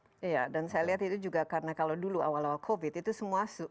iya dan saya lihat itu juga karena kalau dulu awal awal covid itu semua